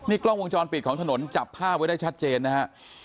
กล้องวงจรปิดของถนนจับภาพไว้ได้ชัดเจนนะฮะ